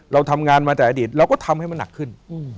เราทำงานมาแต่อดีตเราก็ทำให้มันหนักขึ้น